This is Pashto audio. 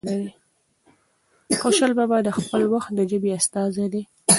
خوشال بابا د خپل وخت د ژبې استازی دی.